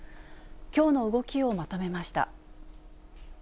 きょうの動きをまとめました。